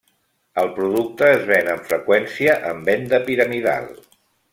El producte es ven amb freqüència en venda piramidal.